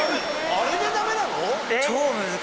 あれでダメなの？